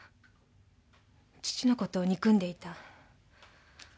父のことを憎んでいた。